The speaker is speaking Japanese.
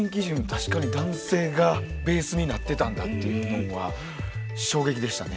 確かに男性がベースになってたんだっていうのんは衝撃でしたね。